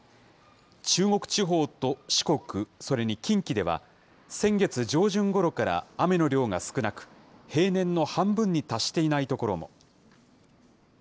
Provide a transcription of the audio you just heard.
中国地方と四国、それに近畿では、先月上旬ごろから雨の量が少なく、平年の半分に達していない所も。